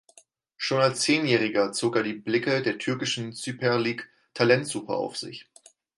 Schon als Zehnjähriger zog er die Blicke der türkischen Süper-Lig-Talentsucher auf sich.